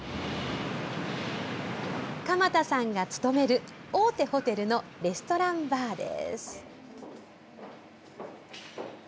鎌田さんが勤める大手ホテルのレストランバーです。